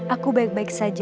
aku baik baik saja